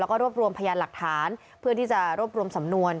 แล้วก็รวบรวมพยานหลักฐานเพื่อที่จะรวบรวมสำนวน